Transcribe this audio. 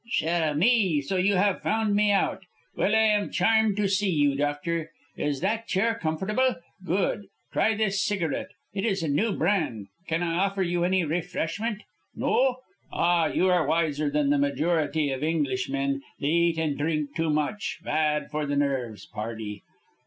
"Cher ami, so you have found me out. Well, I am charmed to see you, doctor. Is that chair comfortable? Good. Try this cigarette, it is a new brand. Can I offer you any refreshment No? Ah, you are wiser than the majority of Englishmen. They eat and drink too much; bad for the nerves, pardy.